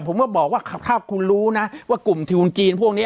ผมก็บอกว่าความถ้าคุณรู้นะกลุ่มทิวนกี้พวกนี้